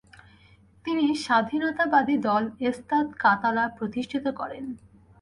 তিনি স্বাধীনতাবাদী দল এস্তাত কাতালা প্রতিষ্ঠিত করেন।